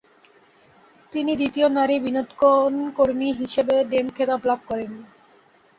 তিনি দ্বিতীয় নারী বিনোদনকর্মী হিসেবে ডেম খেতাব লাভ করেন।